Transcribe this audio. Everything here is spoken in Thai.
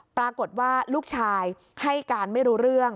ปรากฏว่าลูกชายให้การไม่รู้เรื่อง